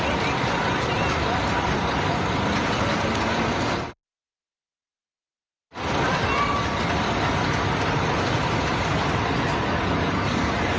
นี่